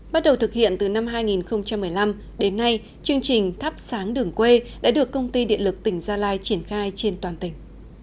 bắt đầu thực hiện từ năm hai nghìn một mươi năm đến nay chương trình thắp sáng đường quê đã được công ty điện lực tỉnh gia lai triển khai trên toàn tỉnh